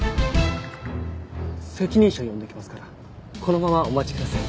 責任者を呼んできますからこのままお待ちください。